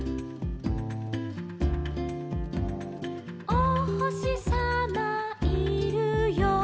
「おほしさまいるよ」